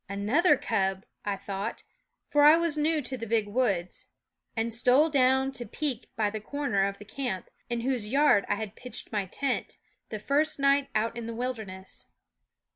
" Another cub !" I thought for I was new to the big woods and stole down to peek by the corner of the camp, in whose yard I had pitched my tent, the first night out in the wilderness.